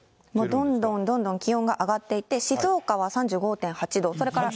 どんどんどんどん気温が上がっていて、静岡は３５．８度。